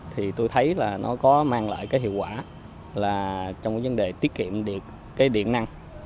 thì tôi thấy là nó có mang lại cái hiệu quả là trong cái vấn đề tiết kiệm được cái điện năng